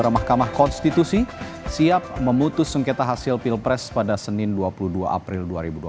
mahkamah konstitusi siap memutus sengketa hasil pilpres pada senin dua puluh dua april dua ribu dua puluh empat